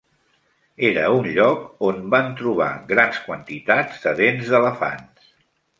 Era un lloc on van trobar grans quantitats de dents d'elefants.